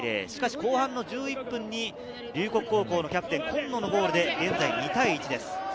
後半１１分に龍谷高校のキャプテン・今野のゴールで２対１です。